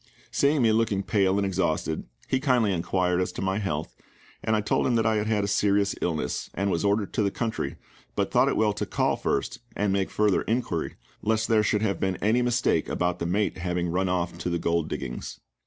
Seeing me looking pale and exhausted, he kindly inquired as to my health, and I told him that I had had a serious illness, and was ordered to the country, but thought it well to call first, and make further inquiry, lest there should have been any mistake about the mate having run off to the gold diggings.